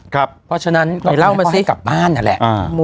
ครับเพราะฉะนั้นเดี๋ยวเล่ามาสิกลับบ้านน่ะแหละอ่า